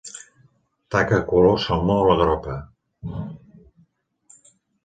Taca color salmó a la gropa.